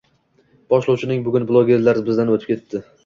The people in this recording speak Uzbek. Boshlovcining "Bugun ʙlogerlar ʙizdan o'tiʙ ketdi